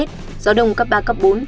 gió đông cấp ba cấp bốn